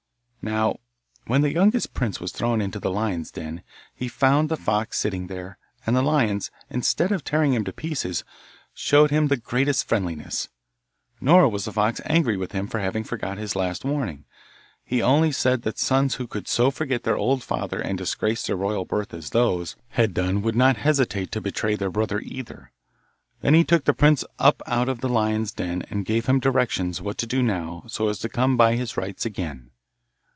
Now when the youngest prince was thrown down into the lions' den he found the fox sitting there, and the lions, instead of tearing him to pieces, showed him the greatest friendliness. Nor was the fox angry with him for having forgot his last warning. He only said that sons who could so forget their old father and disgrace their royal birth as those had done would not hesitate to betray their brother either. Then he took the prince up out of the lion's den and gave him directions what to do now so as to come by his rights again.